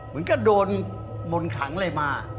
มึงก็โดนบนครั้งเลยมา